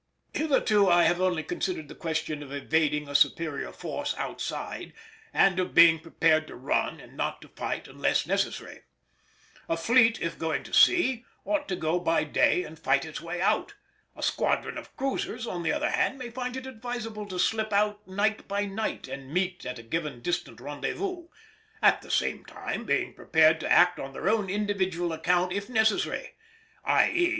Hitherto I have only considered the question of evading a superior force outside, and of being prepared to run and not to fight unless necessary. A fleet, if going to sea, ought to go by day and fight its way out. A squadron of cruisers, on the other hand, may find it advisable to slip out night by night and meet at a given distant rendezvous, at the same time being prepared to act on their own individual account if necessary; _i.e.